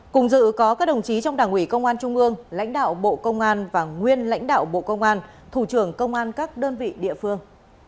cùng dự có các đồng chí trong đảng ủy công an trung ương lãnh đạo bộ công an và nguyên lãnh đạo bộ công an thủ trưởng công an các đơn vị địa phương